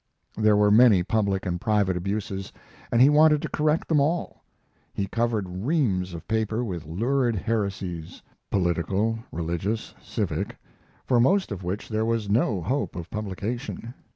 There were many public and private abuses, and he wanted to correct them all. He covered reams of paper with lurid heresies political, religious, civic for most of which there was no hope of publication.